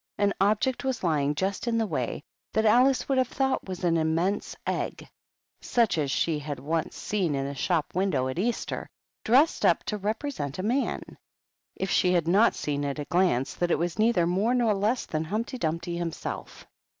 An object was lying just in the way 8 86 HUMPTY DUMPTY. that Alice would have thought was an immense egg, such as she had once seen in a shop window at Easter, dressed up to represent a man, if she had not seen at a glance that it was neither more nor less than Humpty Dumpty himself.